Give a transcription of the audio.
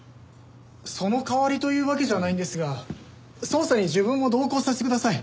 その代わりというわけじゃないんですが捜査に自分も同行させてください。